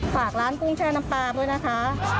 ฝากร้านกุ้งแช่น้ำปลาด้วยนะคะ